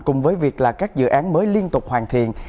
cùng với việc là các dự án mới liên tục hoàn thiện